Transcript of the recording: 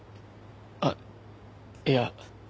あっいや。